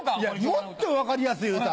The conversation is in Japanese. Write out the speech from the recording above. もっと分かりやすい歌。